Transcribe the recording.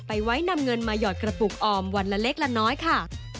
ไว้นำเงินมาหยอดกระปุกออมวันละเล็กละน้อยค่ะ